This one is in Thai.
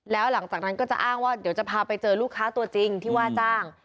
แล้วหลังจากนั้นก็จะอ้างว่าเดี๋ยวจะพาไปเจอลูกค้าตัวจริงที่ว่าจ้าง